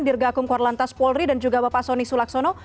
dirgakum kuala lantas polri dan juga bapak soni sulaksono